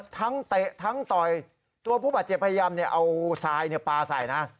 เตะทั้งต่อยตัวผู้บาดเจ็บพยายามเอาทรายปลาใส่นะ